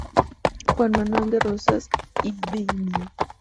Juan Manuel de Rosas y Bv.